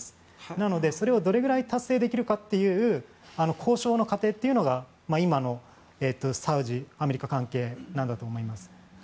なので、それをどれくらい達成できるかという交渉の過程というのが今のサウジ・アメリカ関係なんだと思います。